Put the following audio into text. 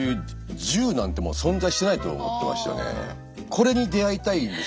これに出会いたいんです